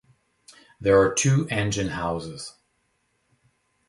There are two engine houses.